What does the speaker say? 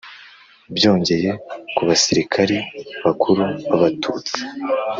byongeye ku basirikari bakuru b'abatutsi